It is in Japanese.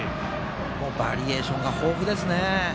バリエーションが豊富ですね。